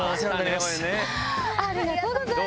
ありがとうございます。